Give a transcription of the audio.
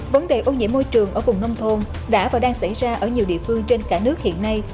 vấn đề ô nhiễm môi trường ở vùng nông thôn đã và đang xảy ra ở nhiều địa phương trên cả nước hiện nay